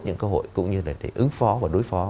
những cơ hội cũng như để ứng phó và đối phó